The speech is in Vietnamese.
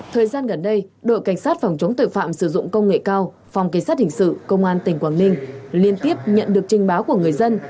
thời gian gần đây đội cảnh sát phòng chống tội phạm sử dụng công nghệ cao phòng cảnh sát hình sự công an tỉnh quảng ninh liên tiếp nhận được trình báo của người dân